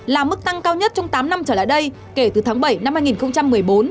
là mức tăng cao nhất trong tám năm trở lại đây kể từ tháng bảy năm hai nghìn một mươi bốn